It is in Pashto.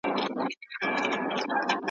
حرص غالب سي عقل ولاړ سي مرور سي ,